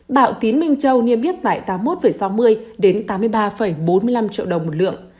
hệ thống p g nghiêm yết tại tám mươi một sáu mươi đến tám mươi ba bốn mươi năm triệu đồng một lượng